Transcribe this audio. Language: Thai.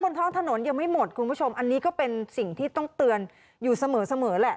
ท้องถนนยังไม่หมดคุณผู้ชมอันนี้ก็เป็นสิ่งที่ต้องเตือนอยู่เสมอแหละ